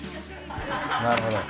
なるほど。